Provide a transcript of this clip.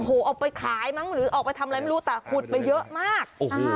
โอ้โหเอาไปขายมั้งหรือออกไปทำอะไรไม่รู้แต่ขุดไปเยอะมาก